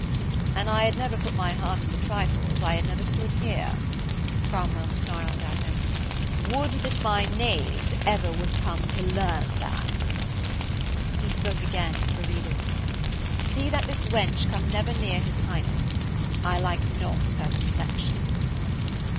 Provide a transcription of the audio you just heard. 'An I had never put my heart into trifles, I had never stood here,' Cromwell snarled at him. 'Would that my knaves would ever come to learn that!' He spoke again to Viridus: 'See that this wench come never near his Highness. I like not her complexion.'